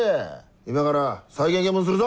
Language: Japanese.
今から再現見分するぞ！